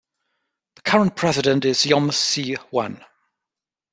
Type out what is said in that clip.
The current president is Yeom Si Hwan.